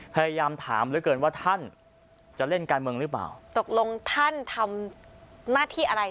พยายามถามเหลือเกินว่าท่านจะเล่นการเมืองหรือเปล่าตกลงท่านทำหน้าที่อะไร